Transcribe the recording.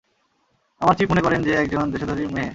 আমার চিফ মনে করেন যে একজন- - দেশদ্রোহীর মেয়ে?